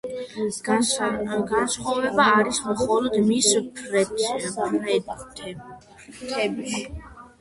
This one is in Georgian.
განსხვავება არის მხოლოდ მის ფრთებში.